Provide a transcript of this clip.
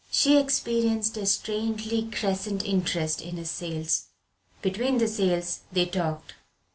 She experienced a strangely crescent interest in his sales. Between the sales they talked.